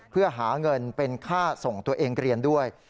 เพื่อหาเงินเป็นค่าส่งตัวเองเรียนด้วย